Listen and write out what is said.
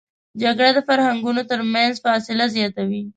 جګړه د فرهنګونو تر منځ فاصله زیاتوي